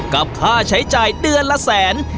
กับค่าใช้จ่ายเดือนละแสน